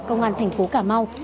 công an thành phố cà mau